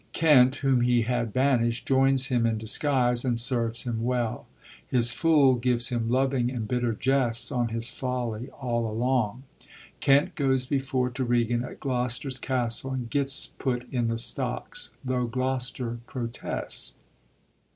Kent, whom he had banisht, joins him in disguise, and serves him well. His fool gives him loving and bitter jests on his folly all along. Kent goes before to Regan at Gloster*s castle, and gets put in the stocks, tho* Gloster protests.